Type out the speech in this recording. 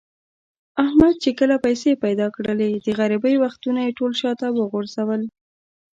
احمد چې کله پیسې پیدا کړلې، د غریبۍ وختونه یې ټول شاته و غورځول.